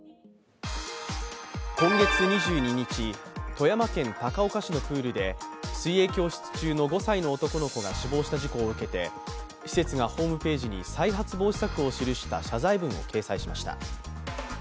今月２２日富山県高岡市のプールで水泳教室中の５歳の男の子が死亡した事故を受けて、施設がホームページに再発防止策を記した謝罪文を掲載しました。